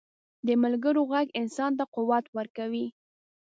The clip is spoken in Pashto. د ملګرو ږغ انسان ته قوت ورکوي.